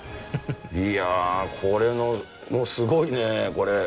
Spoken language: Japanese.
いやー、これ、もうすごいね、これ。